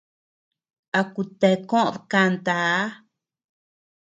A kutea koʼod kantaa.